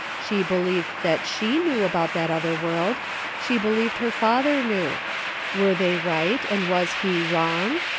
She believed that s/ie knew about that other world ; she believed her father knew. Were they right, and was he wrong